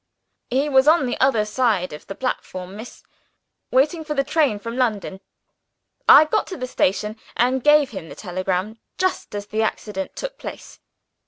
"He was on the other side of the platform, miss; waiting for the train from London. I got to the station and gave him the telegram, just as the accident took place.